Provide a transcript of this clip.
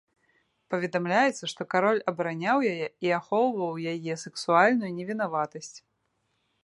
Паведамляецца, што кароль абараняў яе і ахоўваў яе сэксуальную невінаватасць.